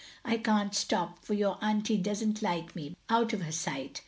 I can't stop, for your atmtie does n't like me out of her sight.